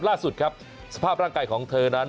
ล่าสุดครับสภาพร่างกายของเธอนั้น